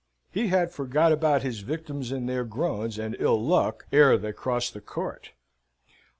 He had forgot about his victims and their groans, and ill luck, ere they crossed the court.